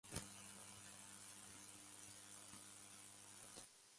Las víctimas fueron enterradas en una fosa común.